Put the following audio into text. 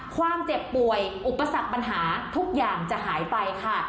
ความเจ็บป่วยอุปสรรคปัญหาทุกอย่างจะหายไปค่ะ